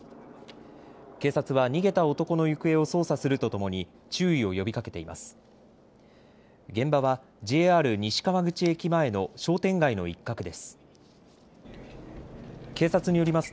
警察は逃げた男の行方を捜査するとともに注意を呼びかけています。